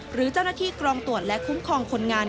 หรือเจ้าหน้าที่กรองตรวจและคุ้มครองคนงาน